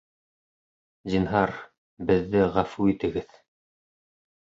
— Зинһар, беҙҙе ғәфү итегеҙ.